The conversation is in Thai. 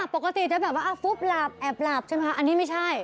ปกติจะแบบว่าฟุ๊บหลับแอบหลับใช่ไหมคะอันนี้ไม่ใช่